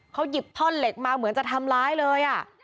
เขาหยิบท่อนเหล็กมาเหมือนจะทำร้ายเลย